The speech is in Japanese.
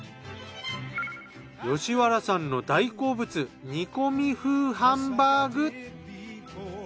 吉原さんの大好物煮込み風ハンバーグ。